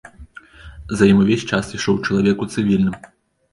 За ім увесь час ішоў чалавек у цывільным.